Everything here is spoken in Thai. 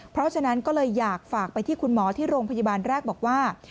เพราะฉะนั้นก็เลยอยากฝากไปที่คุณหมอที่โรงพยาบาลแรกบอกว่า